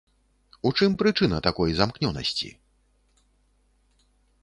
У чым прычына такой замкнёнасці?